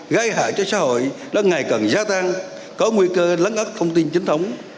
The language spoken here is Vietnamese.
gai hại cho xã hội đơn ngày cần gia tăng có nguy cơ lắng ức thông tin chính thống